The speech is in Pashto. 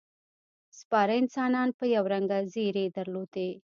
سپاره انسانان یو رنګه ځېرې درلودې.